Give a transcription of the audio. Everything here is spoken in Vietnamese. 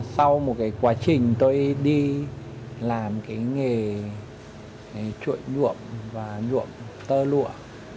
sau một quá trình tôi đi làm nghề chuộng nhuộm và nhuộm tơ lụa